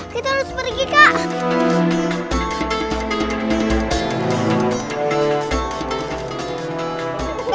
kita harus pergi kak